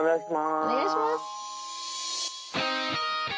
おねがいします！